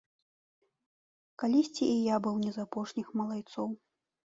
Калісьці і я быў не з апошніх малайцоў.